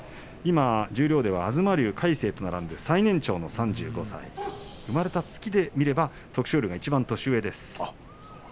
十両では東龍、魁聖と並んで最年長の３５歳、生まれた月で見れば徳勝龍がいちばん上です。